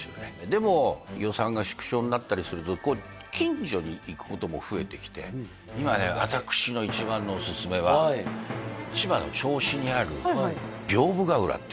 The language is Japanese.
でも予算が縮小になったりするとこう近所に行くことも増えてきて今や私の一番のおすすめはあ分かんないなああっ